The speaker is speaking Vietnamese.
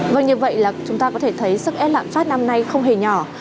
vâng như vậy là chúng ta có thể thấy sức ép lạm phát năm nay không hề nhỏ